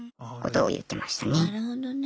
なるほどね。